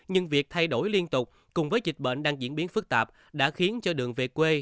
nhưng việc thay đổi liên tục cùng với dịch bệnh đang diễn biến phức tạp đã khiến cho đường về quê